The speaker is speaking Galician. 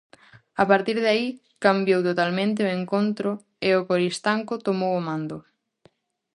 A partir de aí cambiou totalmente o encontro e o Coristanco tomou o mando.